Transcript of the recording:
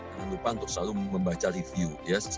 jangan lupa untuk selalu membaca review ya